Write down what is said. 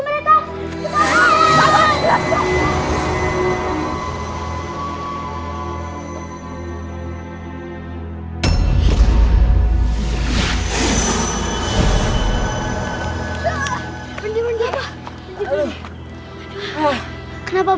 buat apa kita selamat kalau dika kenapa napa